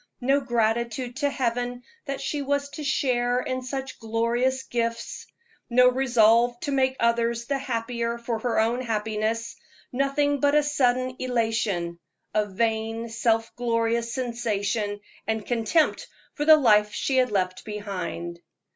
No gratitude to Heaven that she was to share in such glorious gifts; no resolve to make others the happier for her happiness; nothing but a sudden elation, a vain, self glorious sensation, and contempt for the life she had left behind.